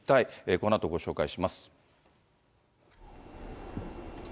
このあとご紹介します。